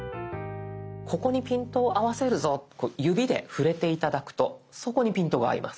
ここにピントを合わせるぞこう指で触れて頂くとそこにピントが合います。